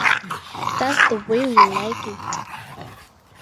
That's the way we like it.